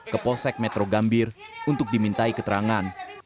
ke polsek metro gambir untuk dimintai keterangan